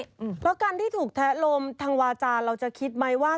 เพราะการที่ถูกแทะลมทางวาจาเราจะคิดไหมว่า